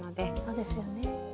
そうですよね。